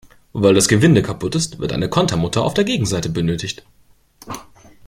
Weil das Gewinde kaputt ist, wird eine Kontermutter auf der Gegenseite benötigt.